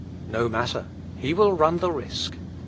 No matter; he will run the risk.